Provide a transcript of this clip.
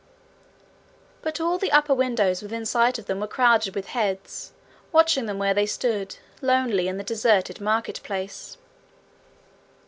But all the upper windows within sight of them were crowded with heads watching them where they stood lonely in the deserted market place.